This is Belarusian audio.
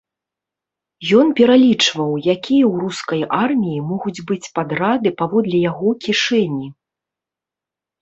Ён пералічваў, якія ў рускай арміі могуць быць падрады паводле яго кішэні.